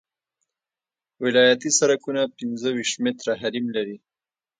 ولایتي سرکونه پنځه ویشت متره حریم لري